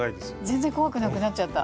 全然怖くなくなっちゃった。